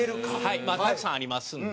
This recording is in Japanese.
まあたくさんありますんで。